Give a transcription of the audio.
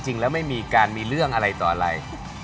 จริงแล้วไม่มีการมีเรื่องอะไรต่ออะไร